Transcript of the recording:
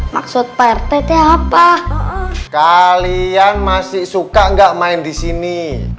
maksud pak rt teh apa kalian masih suka enggak main di sini